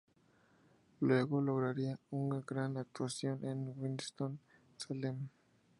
Luego lograría una gran actuación en Winston-Salem.